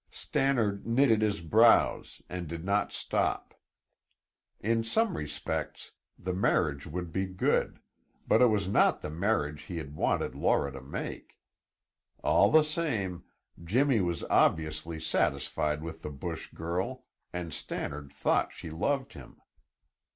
Stannard knitted his brows and did not stop. In some respects, the marriage would be good, but it was not the marriage he had wanted Laura to make. All the same, Jimmy was obviously satisfied with the bush girl and Stannard thought she loved him.